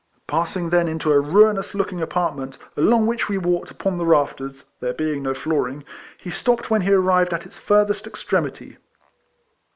Passing then into a ruinous looking apartment, along which we walked upon the rafters, there being no flooring, he stopped when he arrived at its further extremity.